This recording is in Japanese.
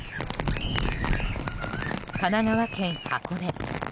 神奈川県箱根。